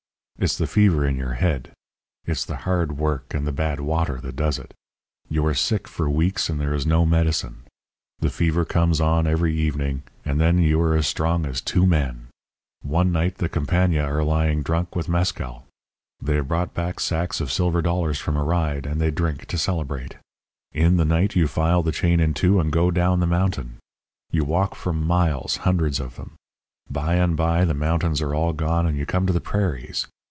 It's the fever in your head. It's the hard work and the bad water that does it. You are sick for weeks and there is no medicine. The fever comes on every evening, and then you are as strong as two men. One night the compania are lying drunk with mescal. They have brought back sacks of silver dollars from a ride, and they drink to celebrate. In the night you file the chain in two and go down the mountain. You walk for miles hundreds of them. By and by the mountains are all gone, and you come to the prairies.